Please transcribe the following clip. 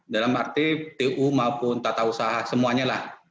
dalam arti pu maupun tata usaha semuanya lah